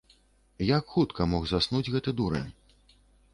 Як хутка мог заснуць гэты дурань?